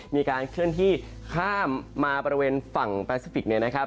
มีการเคลื่อนที่ข้ามมาบริเวณฝั่งแปซิฟิกเนี่ยนะครับ